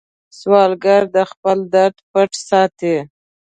سوالګر د خپل درد پټ ساتي